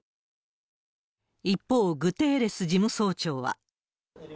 一方、グテーレス事務総長は。